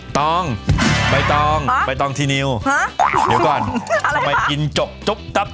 ตองใบตองหาใบตองที่นิ้วหาเดี๋ยวก่อนอะไรป่ะทำไมกินจบจุ๊บตับจุ๊บตับ